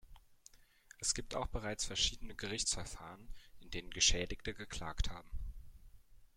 Es gibt auch bereits verschiedene Gerichtsverfahren, in denen Geschädigte geklagt haben.